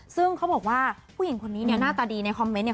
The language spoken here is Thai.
ซึ่งเขาบอกว่าผู้หญิงคนนี้เนี่ยหน้าตาดีในคอมเมนต์เนี่ย